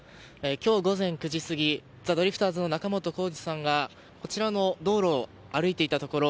今日午前９時過ぎザ・ドリフターズの仲本工事さんがこちらの道路を歩いていたところ